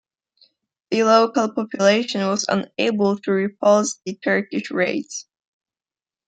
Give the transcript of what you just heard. The local population was unable to repulse the Turkish raids.